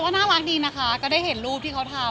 คือซ้ายไปเที่ยวหัวขินกับที่บ้านค่ะ